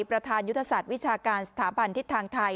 ประธานยุทธศาสตร์วิชาการสถาบันทิศทางไทย